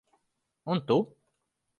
Un tu?